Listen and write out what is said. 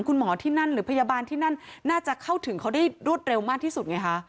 คุณหมอที่นั่นหรือพยาบาลที่นั่นน่าจะเข้าถึงเขาได้รวดเร็วมากที่สุดไงคะ